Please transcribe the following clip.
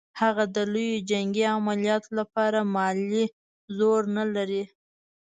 هغه د لویو جنګي عملیاتو لپاره مالي زور نه لري.